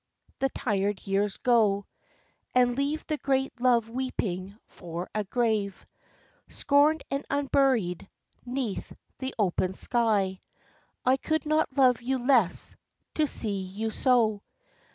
The tired years go And leave the great love weeping for a grave, Scorned and unburied, 'neath the open sky. I could not love you less, to see you so.